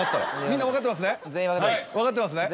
みんな分かってますね？